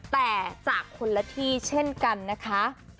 แต่จากคนละที่เช่นกันนะคะ